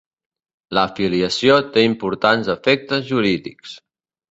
La filiació té importants efectes jurídics.